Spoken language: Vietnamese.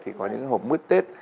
thì có những cái hộp mứt tết